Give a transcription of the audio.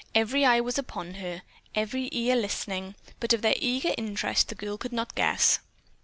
Every eye was upon her, every ear listening, but of their eager interest the girl could not guess.